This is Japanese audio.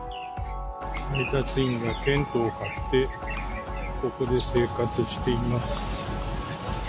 配達員がテントを張って、ここで生活しています。